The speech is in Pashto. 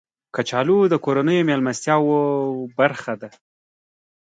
کچالو د کورنیو میلمستیاو برخه ده